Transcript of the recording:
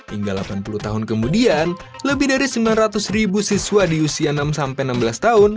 hingga delapan puluh tahun kemudian lebih dari sembilan ratus ribu siswa di usia enam enam belas tahun